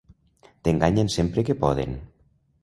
T'enganyen sempre que poden.